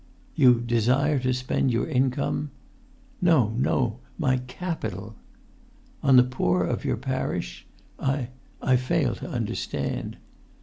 "You desire to spend your income——" "No, no, my capital!" "On the poor of your parish? I—I fail to understand."